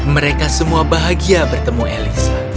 mereka semua bahagia bertemu elisa